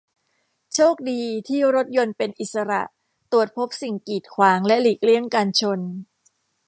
โชคดีที่รถยนต์ที่เป็นอิสระตรวจพบสิ่งกีดขวางและหลีกเลี่ยงการชน